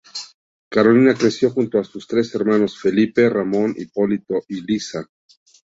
Carolina creció junto a sus tres hermanos Felipe, Ramón Hipólito y Lissa.